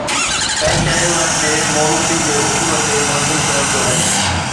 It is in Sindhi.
تنهنڪري انهن کي موروثي جي اصول تي منظم ڪيو پيو وڃي.